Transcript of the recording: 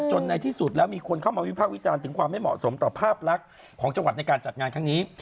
ในที่สุดแล้วมีคนเข้ามาวิภาควิจารณ์ถึงความไม่เหมาะสมต่อภาพลักษณ์ของจังหวัดในการจัดงานครั้งนี้